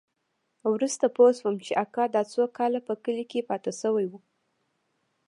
وروسته پوه سوم چې اکا دا څو کاله په کلي کښې پاته سوى و.